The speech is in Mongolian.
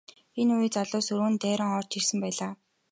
Энэ үед залуус өрөөнд дайран орж ирсэн байлаа.